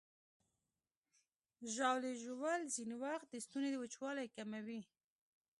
ژاوله ژوول ځینې وخت د ستوني وچوالی کموي.